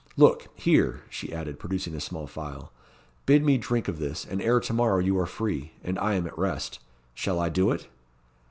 Look, here!" she added, producing a small phial. "Bid me drink of this, and ere to morrow you are free, and I am at rest. Shall I do it?"